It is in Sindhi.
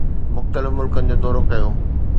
مختلف ملڪن جو دورو ڪيو